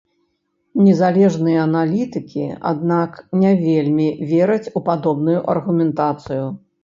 Незалежныя аналітыкі, аднак, не вельмі вераць у падобную аргументацыю.